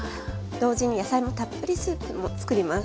同時に野菜のたっぷりスープも作ります。